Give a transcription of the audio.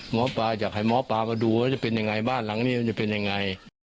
หมอปลาอยากให้หมอปลามาดูว่าจะเป็นยังไงบ้านหลังนี้มันจะเป็นยังไง